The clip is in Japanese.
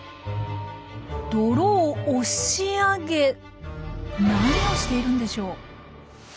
泥を押し上げ何をしているんでしょう？